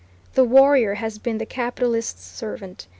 The warrior has been the capitalists' servant.